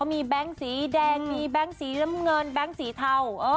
มีแบงค์สีแดงมีแบงค์สีน้ำเงินแบงค์สีเทา